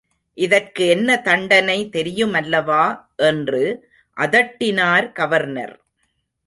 இதற்கு என்ன தண்டனை தெரியுமல்லவா என்று அதட்டினார் கவர்னர்.